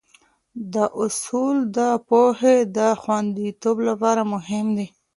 دا اصول د پوهې د خونديتوب لپاره مهم دي.